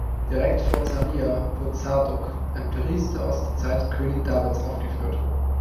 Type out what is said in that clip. Direkt vor Zariah wird Zadok, ein Priester aus der Zeit König Davids, aufgeführt.